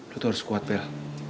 lo tuh harus kuat bel